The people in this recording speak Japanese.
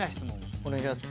お願いします。